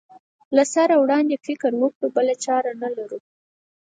له سره ورباندې فکر وکړو بله چاره نه لرو.